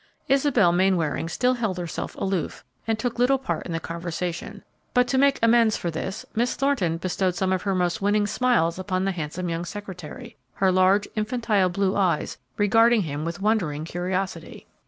Isabel Mainwaring still held herself aloof and took little part in the conversation, but to make amends for this Miss Thornton bestowed some of her most winning smiles upon the handsome young secretary, her large, infantile blue eyes regarding him with wondering curiosity.